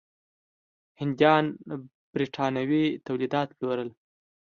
هندیان برېټانوي تولیدات پلورل.